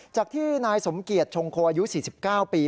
จากที่นายสมเกียจชงโคอายุ๔๙ปี